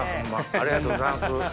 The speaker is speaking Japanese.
ありがとうございます。